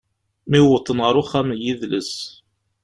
Mi wwḍen ɣer uxxam n yidles.